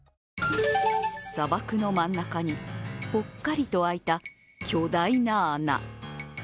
砂漠の真ん中に、ぽっかりと開いた巨大な穴。